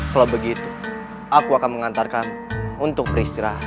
kalau begitu aku akan mengantarkan untuk beristirahat